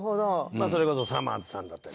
まあそれこそさまぁずさんだったり。